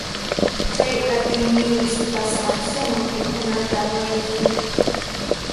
Chay atiyniyuq sipasqa sumaq mikhunata wayk'un.